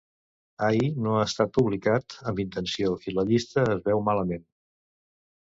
Ai, no ha estat publicat amb intenció i la llista es veu malament.